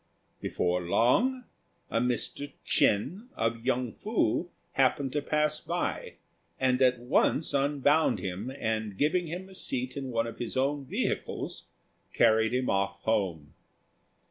Before long a Mr. Ch'ên, of Yung fu, happened to pass by, and at once unbound him, and giving him a seat in one of his own vehicles, carried him off home.